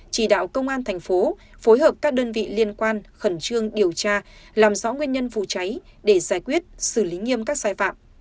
chỉ đạo công an thành phố phối hợp các đơn vị liên quan khẩn trương điều tra làm rõ nguyên nhân vụ cháy để giải quyết xử lý nghiêm các sai phạm